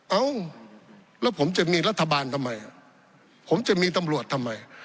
เอ้าแล้วผมจะมีรัฐบาลทำไมผมจะมีตำรวจทำไม